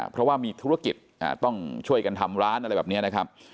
เพราะว่ามีธุรกิจต้องช่วยกันทำร้านอะไรแบบนี้นะครับ